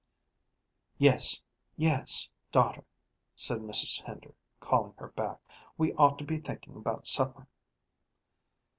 "Yes, yes, daughter," said Mrs. Hender, calling her back, "we ought to be thinkin' about supper."